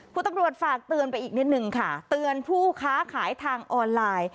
คุณตำรวจฝากเตือนไปอีกนิดนึงค่ะเตือนผู้ค้าขายทางออนไลน์